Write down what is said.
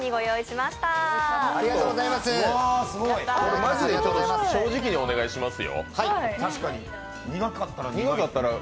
まじで正直にお願いしますよ。